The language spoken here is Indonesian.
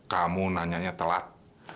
kamu nanyanya telat